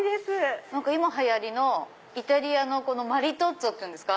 今流行りのイタリアのマリトッツォっていうんですか。